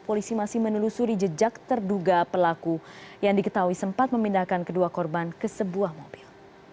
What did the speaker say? polisi masih menelusuri jejak terduga pelaku yang diketahui sempat memindahkan kedua korban ke sebuah mobil